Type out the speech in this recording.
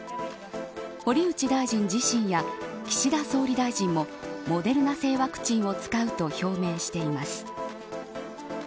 堀内大臣自身や岸田総理大臣もモデルナ製ワクチンを使うと表明しています。